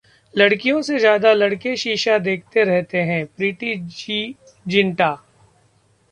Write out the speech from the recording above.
लड़कियों से ज्यादा लड़के शीशा देखते रहते हैं: प्रीति जी. जिंटा